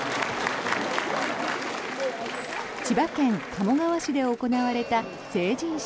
千葉県鴨川市で行われた成人式。